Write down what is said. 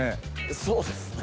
そうですね